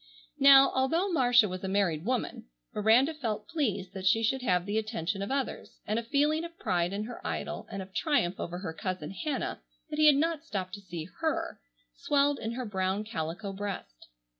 Now, although Marcia was a married woman, Miranda felt pleased that she should have the attention of others, and a feeling of pride in her idol, and of triumph over her cousin Hannah that he had not stopped to see her, swelled in her brown calico breast.